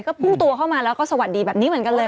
ก็พุ่งตัวเข้ามาแล้วก็สวัสดีแบบนี้เหมือนกันเลย